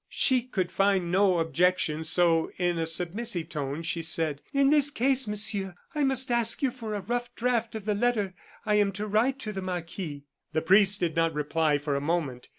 She could find no objection, so in a submissive tone, she said: "In this case, Monsieur, I must ask you for a rough draft of the letter I am to write to the marquis." The priest did not reply for a moment.